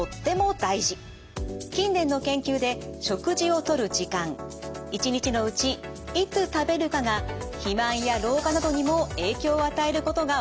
近年の研究で食事をとる時間一日のうちいつ食べるかが肥満や老化などにも影響を与えることが分かってきました。